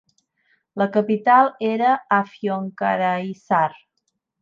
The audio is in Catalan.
La capital era Afyonkarahisar.